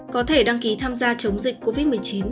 có thể đăng ký tham gia chống dịch covid một mươi chín